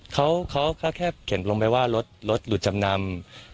เขาแค่เขียนลงไปว่ารถหลุดจำนำ